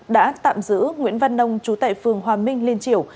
đã tạm giữ nguyễn văn nông chú tại phường hòa minh liên triều